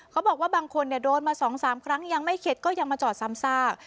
บางคนโดนมา๒๓ครั้งยังไม่เข็ดก็ยังมาจอดซ้ำซาก